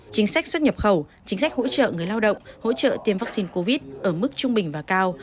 chính sách xuất nhập khẩu chính sách hỗ trợ người lao động hỗ trợ tiêm vaccine covid ở mức trung bình và cao